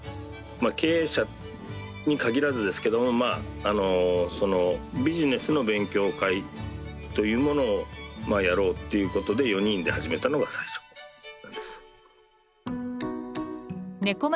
まあ経営者に限らずですけどもまああのそのビジネスの勉強会というものをまあやろうっていうことで４人で始めたのが最初なんです。